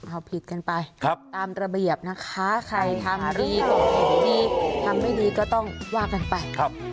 เอาผิดกันไปตามระเบียบนะคะใครทำดีดีทำไม่ดีก็ต้องว่ากันไป